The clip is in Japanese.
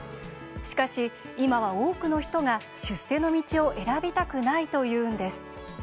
しかし今は、多くの人が出世の道を選びたくないというんです。